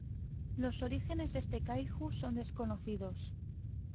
Los orígenes de este "kaiju" son desconocidos.